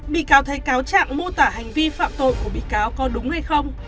bị cáo thấy cáo trạng mô tả hành vi phạm tội của bị cáo có đúng hay không